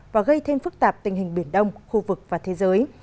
và gây thêm phức tạp tình hình biển đông khu vực và thế giới